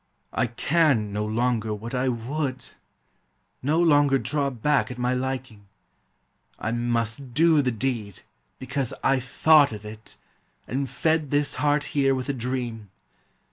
I can no longer whal I would! No longer draw back at my Liking! I Must do the deed, because I thought of it, And fed this heart here with a dream!